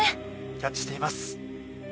キャッチしています。